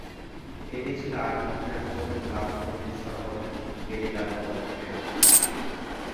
এটি ছিল আর্জেন্টিনার প্রথম বামপন্থী শহুরে গেরিলা পদক্ষেপ।